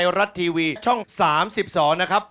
และไทยรัสทีวีช่อง๓๒นะครับ